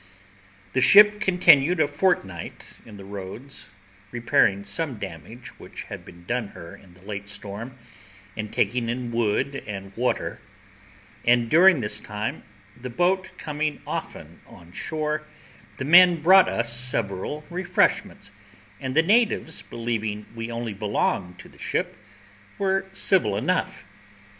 The ship continued a fortnight in the roads, repairing some damage which had been done her in the late storm, and taking in wood and water; and during this time, the boat coming often on shore, the men brought us several refreshments, and the natives believing we only belonged to the ship, were civil enough.